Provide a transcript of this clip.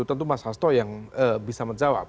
tentu mas hasto yang bisa menjawab